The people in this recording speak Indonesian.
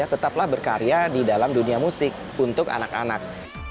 tetaplah berkarya di dalam dunia musik untuk anak anak